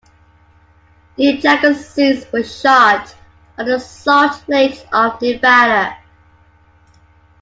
Dean Jagger's scenes were shot on the Salt Lakes of Nevada.